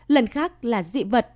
lần khác là dị vật